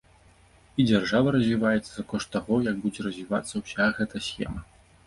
І дзяржава развіваецца за кошт таго, як будзе развівацца ўся гэта схема.